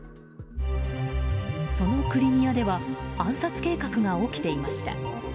そのクリミアでは暗殺計画が起きていました。